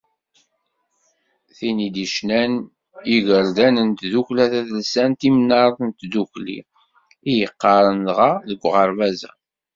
Tin i d-ccnan yigerdan n tdukkla tadelsant Imnar n Tdukli, i yeqqaren dɣa deg uɣerbaz-a.